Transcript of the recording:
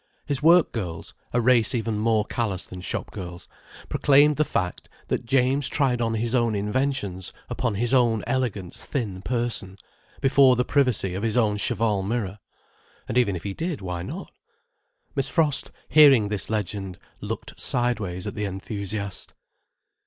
His work girls, a race even more callous than shop girls, proclaimed the fact that James tried on his own inventions upon his own elegant thin person, before the privacy of his own cheval mirror. And even if he did, why not? Miss Frost, hearing this legend, looked sideways at the enthusiast.